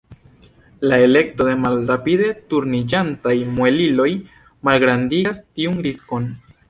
La elekto de malrapide turniĝantaj mueliloj malgrandigas tiun riskon.